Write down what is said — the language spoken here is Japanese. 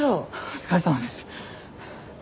お疲れさまです。